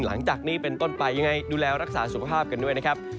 หลังจากนี้เป็นต้นไปยังไงดูแลรักษาสุขภาพกันด้วยนะครับ